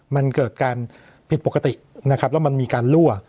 มันเกิดการผิดปกตินะครับแล้วมันมีการลั่ว